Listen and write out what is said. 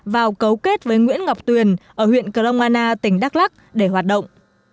vào cấu kết với nguyễn ngọc tuyền ở huyện kelongana tỉnh đắk lắc để hoạt động